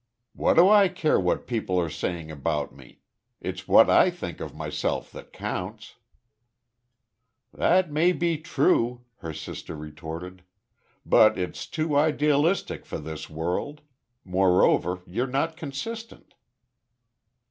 "What do I care what people are saying about me? It's what I think of myself that counts." "That may be true," her sister retorted; "but it's too idealistic for this world.... Moreover, you're not consistent."